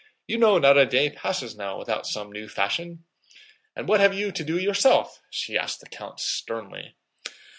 You know not a day passes now without some new fashion.... And what have you to do yourself?" she asked the count sternly.